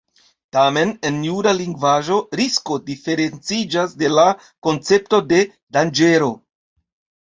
Tamen, en jura lingvaĵo „risko“ diferenciĝas de la koncepto de „danĝero“.